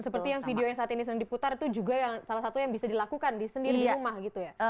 seperti yang video yang saat ini sedang diputar itu juga salah satu yang bisa dilakukan di sendiri di rumah gitu ya